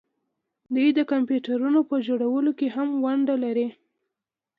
دوی د کمپیوټرونو په جوړولو کې هم ونډه لري.